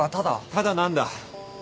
ただ何だ？